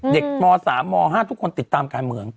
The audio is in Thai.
ม๓ม๕ทุกคนติดตามการเมือง